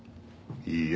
いいえ。